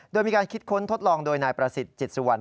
โดยมีการคิดค้นทดลองโดยนายประสิทธิ์จิตสุวรรณ